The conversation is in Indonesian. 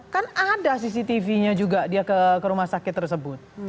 kan ada cctv nya juga dia ke rumah sakit tersebut